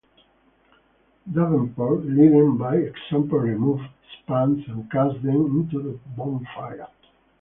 Davenport-leading by example-removed his pants and cast them into the bonfire.